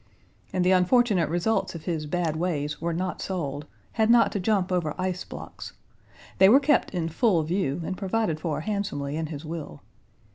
And the unfortunate results of his bad ways were not sold, had not to jump over ice blocks. They were kept in full view, and provided for handsomely in his will."